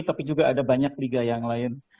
tapi juga ada banyak liga yang lain